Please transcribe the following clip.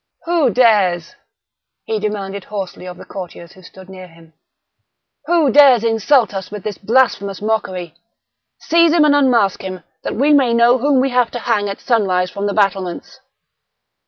"Who dares?" he demanded hoarsely of the courtiers who stood near him—"who dares insult us with this blasphemous mockery? Seize him and unmask him—that we may know whom we have to hang at sunrise, from the battlements!"